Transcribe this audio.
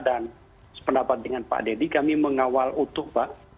dan sependapat dengan pak denny kami mengawal utuh pak